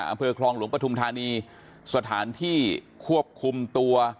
อำเภอคลองหลวงปฐุมธานีสถานที่ควบคุมตัว